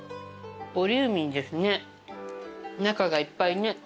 ボリューミーですね中がいっぱいね。